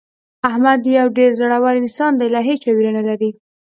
احمد یو ډېر زړور انسان دی له هېچا ویره نه لري.